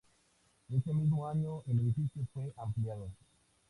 Ese mismo año el edificio fue ampliado.